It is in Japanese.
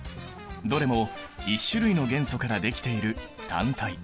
どれも１種類の元素からできている単体。